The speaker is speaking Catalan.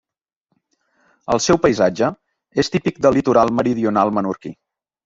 El seu paisatge és típic del litoral meridional menorquí.